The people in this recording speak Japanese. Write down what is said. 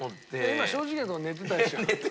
今正直なとこ寝てたでしょ？